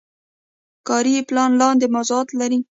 کاري پلان لاندې موضوعات لري.